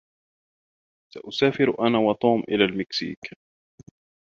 سأسافر أنا و توم إلى المكسيك.